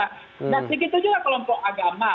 nah begitu juga kelompok agama